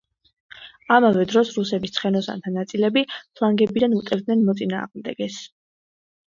ამავე დროს რუსების ცხენოსანთა ნაწილები ფლანგებიდან უტევდნენ მოწინააღმდეგეს.